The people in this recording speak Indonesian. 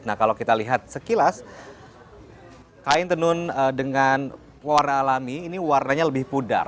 nah kalau kita lihat sekilas kain tenun dengan warna alami ini warnanya lebih pudar